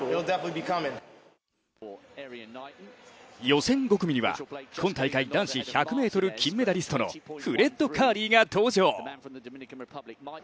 予選５組には、今大会１００ｍ金メダリストのフレッド・カーリーが登場。